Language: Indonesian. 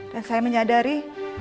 dan saya menyadari